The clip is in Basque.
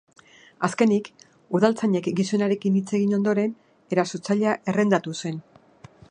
Azkenik, udaltzainek gizonarekin hitz egin ondoren, erasotzailea errendatu zen.